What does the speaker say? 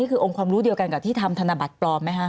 คือองค์ความรู้เดียวกันกับที่ทำธนบัตรปลอมไหมคะ